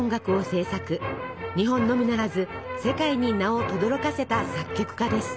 日本のみならず世界に名をとどろかせた作曲家です。